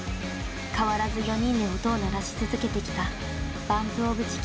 変わらず４人で音を鳴らし続けてきたＢＵＭＰＯＦＣＨＩＣＫＥＮ。